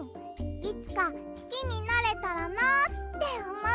いつかすきになれたらなあっておもってかいたの。